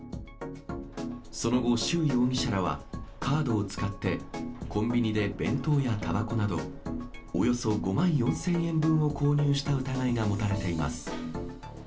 その後、周容疑者らはカードを使って、コンビニで弁当やたばこなど、およそ５万４０００円分を購入した疑いが持たれています。